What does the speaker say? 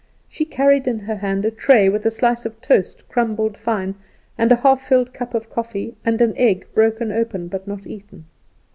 She carried in her hand a tray, with a slice of toast crumbled fine, and a half filled cup of coffee, and an egg broken open, but not eaten.